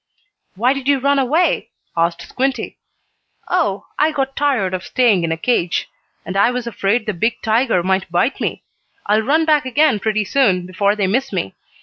"Why did you run away?" asked Squinty. "Oh, I got tired of staying in a cage. And I was afraid the big tiger might bite me. I'll run back again pretty soon, before they miss me.